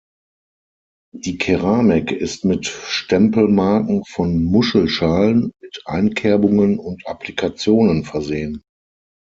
Die Keramik ist mit Stempelmarken von Muschelschalen, mit Einkerbungen und Applikationen versehen.